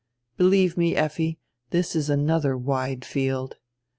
Believe me, Effi, this is another wide field.